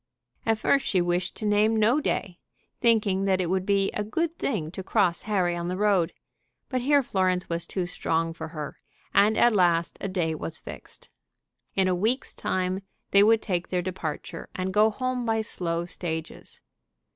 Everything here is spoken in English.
At first she wished to name no day, thinking that it would be a good thing to cross Harry on the road. But here Florence was too strong for her, and at last a day was fixed. In a week's time they would take their departure and go home by slow stages.